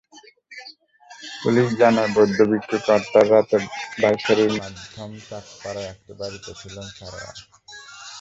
Police জানায়, বৌদ্ধ ভিক্ষুকে হত্যার রাতে বাইশারীর মধ্যম চাকপাড়ায় একটি বাড়িতে ছিলেন সরোয়ার।